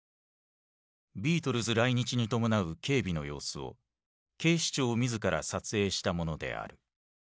ビートルズ来日に伴う警備の様子を警視庁自ら撮影したものである。